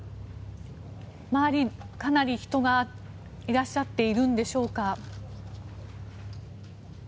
周りはかなり人がいらっしゃっているんでしょうか？